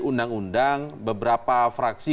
undang undang beberapa fraksi